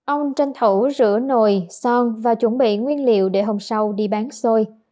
ông tranh thủ rửa nồi son và chuẩn bị nguyên liệu để hôm sau đi bán sôi